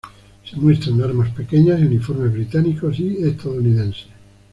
Se muestran armas pequeñas y uniformes británicos y estadounidenses.